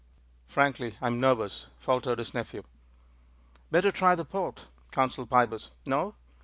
"Frankly, I am nervous," faltered his nephew. "Better try the port," counselled Pybus. "No?